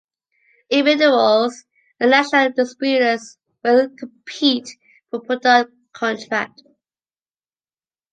Individuals and national distributors will compete for product contract.